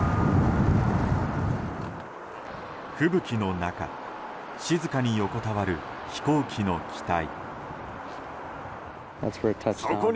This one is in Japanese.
吹雪の中静かに横たわる飛行機の機体。